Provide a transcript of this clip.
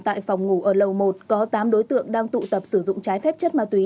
tại phòng ngủ ở lầu một có tám đối tượng đang tụ tập sử dụng trái phép chất ma túy